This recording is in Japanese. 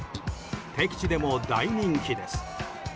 敵地でも大人気です。